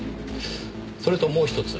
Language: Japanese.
それともう一つ